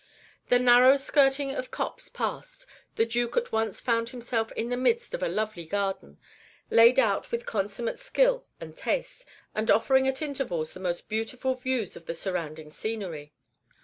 The narrow skirting of copse passed, the Duke at once found himself in the midst of a lovely garden, laid out with consummate skill and taste, and offering at intervals the most beautiful views of the surrounding scenery.